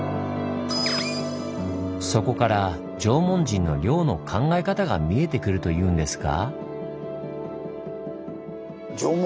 そこから縄文人の漁の考え方が見えてくるというんですが。